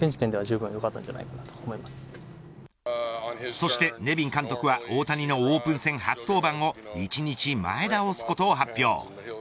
そしてネビン監督は大谷のオープン戦初登板を１日前倒すことを発表。